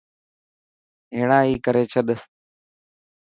هيڻا ئي ڪري ڇڏ.